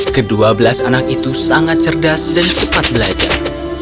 kedua belas anak itu sangat cerdas dan cepat belajar